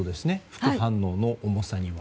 副反応の重さには。